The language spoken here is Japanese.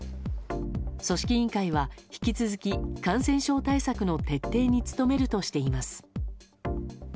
組織委員会は引き続き感染症対策の徹底に努めるとしています。